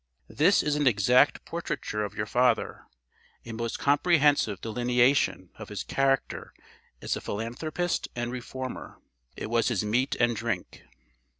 This is an exact portraiture of your father, a most comprehensive delineation of his character as a philanthropist and reformer. It was his meat and drink.